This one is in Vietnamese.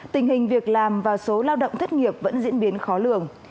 tình hình việc làm và số lao động thất nghiệp vẫn diễn biến khó lường